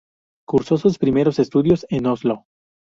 Cursó sus primeros estudios en Oslo.